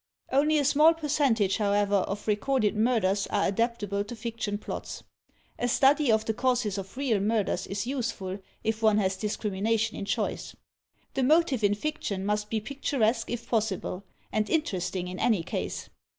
Only a small percentage, however, of recorded murders are adaptable to fiction plots. A study of the causes of real murders is useful, if one has discrimination in choice. The motive in fiction must be picturesque if possible, and interesting in any case.